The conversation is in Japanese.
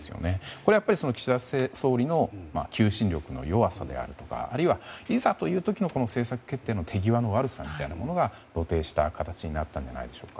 これは岸田総理の求心力の弱さやいざという時の政策決定の手際の悪さというものが露呈したんじゃないでしょうか。